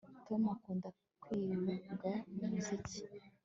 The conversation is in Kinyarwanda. Tom akunda kwiga umuziki